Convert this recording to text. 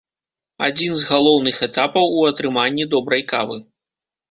Адзін з галоўных этапаў у атрыманні добрай кавы.